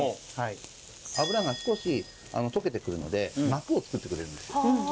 脂が少し溶けて来るので膜をつくってくれるんですよ。